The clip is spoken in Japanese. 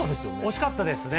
「惜しかったですね。